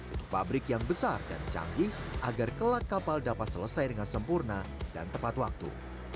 untuk pabrik yang besar dan canggih agar kelak kapal dapat selesai dengan sempurna dan tepat waktu